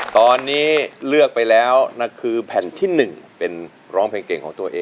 ตอนนี้เลือกไปแล้วนั่นคือแผ่นที่๑เป็นร้องเพลงเก่งของตัวเอง